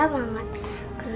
sekarang aku bahagia banget